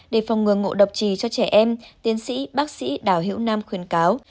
để phòng ngừa ngộ độc trì cho trẻ em tiến sĩ bác sĩ đào hiếu nam khuyên cáo